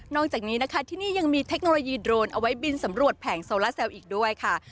อกจากนี้นะคะที่นี่ยังมีเทคโนโลยีโดรนเอาไว้บินสำรวจแผงโซล่าเซลอีกด้วยค่ะ